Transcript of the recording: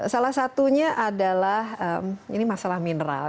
salah satunya adalah ini masalah mineral